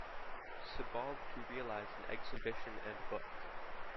Sebald to realise an exhibition and book.